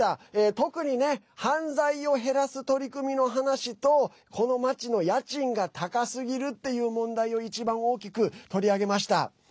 特に、犯罪を減らす取り組みの話とこの街の家賃が高すぎるっていう問題を一番大きく取り上げました。